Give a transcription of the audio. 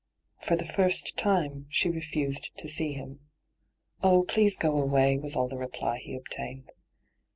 For the first time she refused to see him. ' Oh, please go away,' was all the reply he obtained.